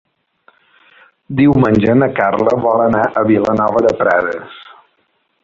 Diumenge na Carla vol anar a Vilanova de Prades.